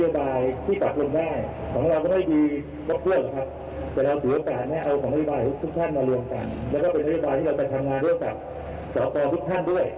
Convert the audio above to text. ที่เราจะทำงานร่วมกับสตทุกท่านด้วย